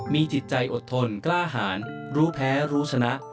มีจิตใจอดทนกล้าหารรู้แพ้รู้ชนะ